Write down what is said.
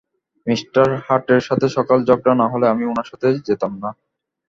Mister হার্টের সাথে সকালে ঝগড়া না হলে আমি উনার সাথে যেতাম না।